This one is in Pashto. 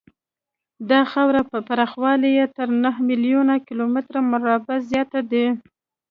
د خاورې پراخوالی یې تر نهو میلیونو کیلومترو مربعو زیات دی.